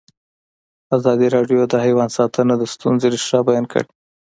ازادي راډیو د حیوان ساتنه د ستونزو رېښه بیان کړې.